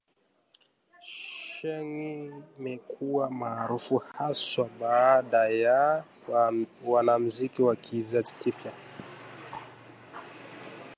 ‘Sheng’ imekuwa maarufu haswa baada ya wanamziki wa kizazi kipya